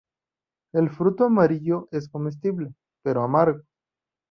El fruto amarillo, es comestible, pero amargo.